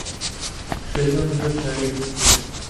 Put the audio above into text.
شێروان زۆر پارەی دزی.